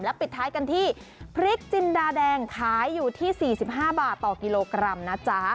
ปิดท้ายกันที่พริกจินดาแดงขายอยู่ที่๔๕บาทต่อกิโลกรัมนะจ๊ะ